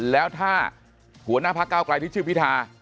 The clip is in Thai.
แล้วถ้าหัวหน้าพักเก้าไกลที่ชื่อพิธา